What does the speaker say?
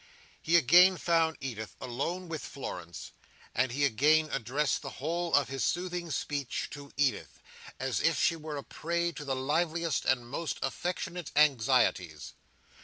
He again found Edith alone with Florence, and he again addressed the whole of his soothing speech to Edith, as if she were a prey to the liveliest and most affectionate anxieties.